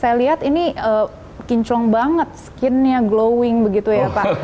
saya lihat ini kinclong banget skinnya glowing begitu ya pak